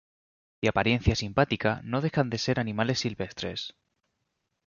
De apariencia simpática, no dejan de ser animales silvestres.